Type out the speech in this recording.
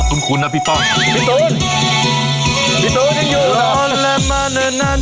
ขนขุนนะพี่ป้อง